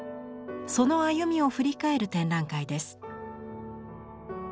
その歩みを振り返る展覧会です。